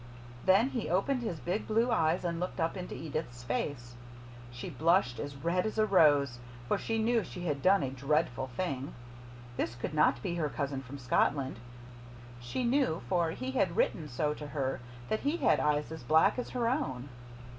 Then he opened his big blue eyes and looked up into Edith's face. She blushed as red as a rose, for she knew she had done a dreadful thing. This could not be her cousin from Scotland. She knew, for he had written so to her, that he had eyes as black as her own.